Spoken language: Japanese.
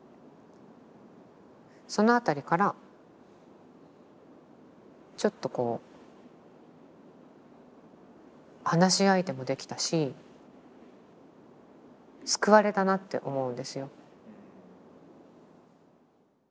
その辺りからちょっとこう話し相手もできたし救われたなって思うんですよ。